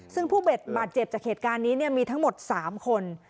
ซึ่งผู้บาดเจ็บจากเหตุการณ์นี้มีทั้งหมด๓คน